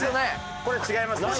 これ違いますね。